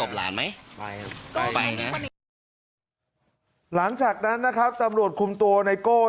หลังจากนั้นนะครับตำรวจคุมตัวไนโก้